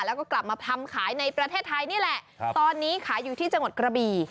แล้วก็กลับมาทำขายในประเทศไทยนี่แหละตอนนี้ขายอยู่ที่จังหวัดกระบี่